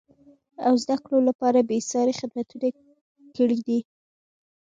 او زده کړو لپاره بېسارې خدمتونه کړیدي.